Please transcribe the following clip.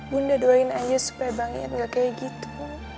bunda doain aja supaya bang ya gak kayak gitu